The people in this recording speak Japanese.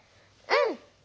うん！